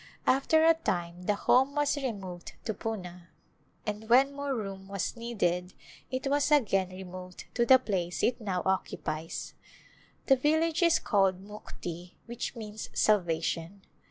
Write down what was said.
After a time the Home was removed to Poona, and, when more room was needed, it was again removed to the place it now occupies. The village is called Mukti which means Salvation.